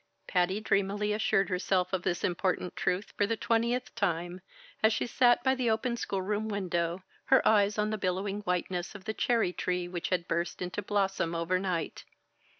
Patty dreamily assured herself of this important truth for the twentieth time, as she sat by the open schoolroom window, her eyes on the billowing whiteness of the cherry tree which had burst into blossom overnight.